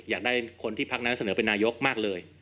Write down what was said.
อยากได้คนที่พักนั้นเสนอเป็นนายกมากเลย